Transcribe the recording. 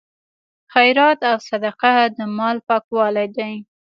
خیرات او صدقه د مال پاکوالی دی.